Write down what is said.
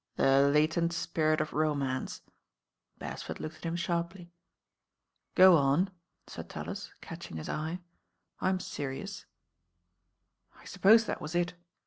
"The latent spirit of romance." Beresford looked at him sharply. "Goon," said TaUis, catching his eye, "I'm senous," . «46 THE RAIN GIRL "I iuppose that was it.